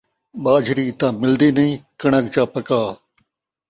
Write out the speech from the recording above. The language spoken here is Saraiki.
ٻاجھری تاں ملدی نئیں، کݨک چا پکا